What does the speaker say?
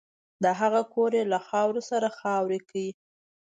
د هغه کور یې له خاورو سره خاورې کړ